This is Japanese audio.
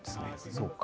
そうか。